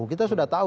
kita sudah tahu